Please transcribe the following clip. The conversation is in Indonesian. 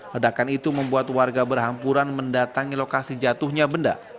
ledakan itu membuat warga berhampuran mendatangi lokasi jatuhnya benda